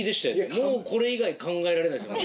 もうこれ以外考えられないですもんね。